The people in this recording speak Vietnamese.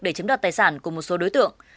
để chiếm đoạt tài sản của một số đối tượng